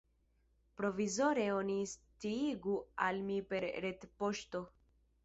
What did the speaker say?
Provizore oni sciigu al mi per retpoŝto.